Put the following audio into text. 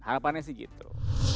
harapannya sih gitu